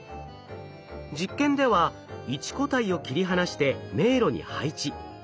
実験では一個体を切り離して迷路に配置。